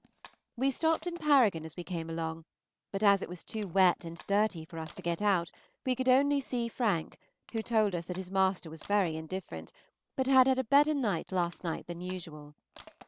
We stopped in Paragon as we came along, but as it was too wet and dirty for us to get out, we could only see Frank, who told us that his master was very indifferent, but had had a better night last night than usual.